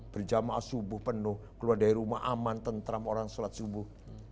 berjamaah subuh penuh keluar dari rumah aman tentram orang sholat subuh